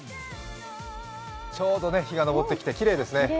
ちょうど日が昇ってきてきれいですね。